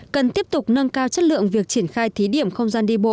cần tiếp tục nâng cao chất lượng việc triển khai thí điểm không gian đi bộ